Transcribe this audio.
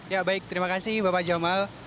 ya baik terima kasih bapak jamal